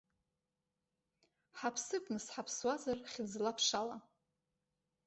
Ҳаԥсып, нас, ҳаԥсуазар хьыӡла-ԥшала!